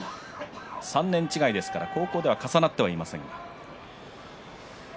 ３年違いですから高校では重なってはいません。